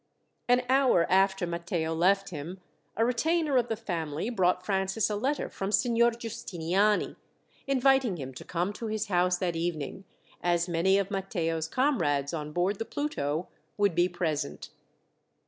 An hour after Matteo left him, a retainer of the family brought Francis a letter from Signor Giustiniani, inviting him to come to his house that evening, as many of Matteo's comrades on board the Pluto would be present.